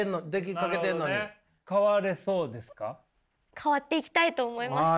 変わっていきたいと思いました。